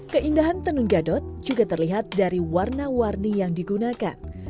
keindahan tenun gadot juga terlihat dari warna warni yang digunakan